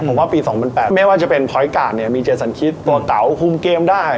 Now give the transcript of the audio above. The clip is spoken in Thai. ผมว่าปีสองเป็นแปดไม่ว่าจะเป็นเนี้ยมีเจสสันคิดตัวเก๋าคุมเกมได้